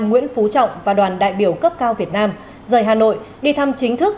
nguyễn phú trọng và đoàn đại biểu cấp cao việt nam rời hà nội đi thăm chính thức